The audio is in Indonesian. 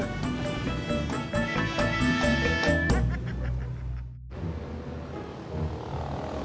nggak ada jadinya tapi noch